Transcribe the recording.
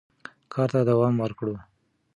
کار ته دوام ورکړو.